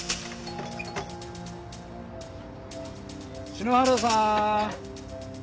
篠原さん！